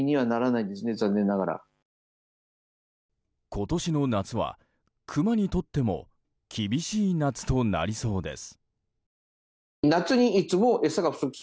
今年の夏はクマにとっても厳しい夏となりそうです。